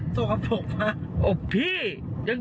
สกปกมาก